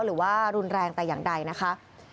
หรือว่ารุนแรงแต่อย่างใดนะคะ